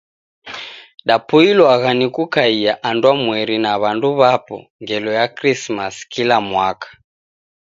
Daboilwagha ni kukaia andwamweri na w'andu w'apo ngelo ya Krisimasi kila mwaka.